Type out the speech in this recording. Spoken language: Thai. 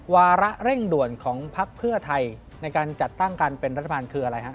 วาระเร่งด่วนของพักเพื่อไทยในการจัดตั้งการเป็นรัฐบาลคืออะไรฮะ